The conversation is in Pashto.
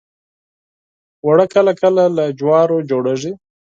اوړه کله کله له جوارو جوړیږي